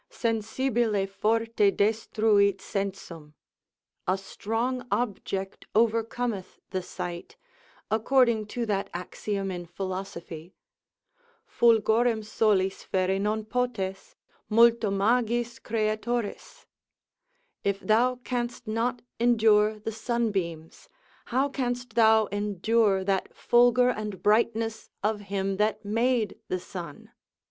Sensibile forte destruit sensum, a strong object overcometh the sight, according to that axiom in philosophy: fulgorem solis ferre non potes, multo magis creatoris; if thou canst not endure the sunbeams, how canst thou endure that fulgor and brightness of him that made the sun?